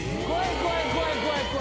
怖い怖い怖い。